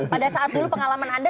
pada saat dulu pengalaman anda